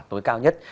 tối cao nhất